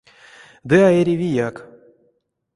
Ды а эрявияк.